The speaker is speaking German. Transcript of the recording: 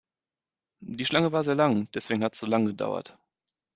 Die Schlange war sehr lang, deswegen hat es so lange gedauert.